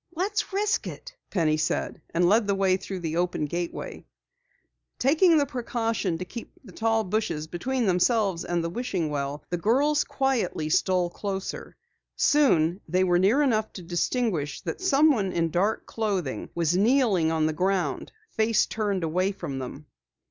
"Let's risk it," Penny said, and led the way through the open gateway. Taking the precaution to keep tall bushes between themselves and the wishing well, the girls quietly stole closer. Soon they were near enough to distinguish that someone in dark clothing was kneeling on the ground, face turned away from them.